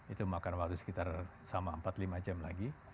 itu makan waktu sekitar sama empat lima jam lagi